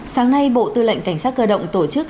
sáng nay bộ tư lệnh cảnh sát cơ động tổ chức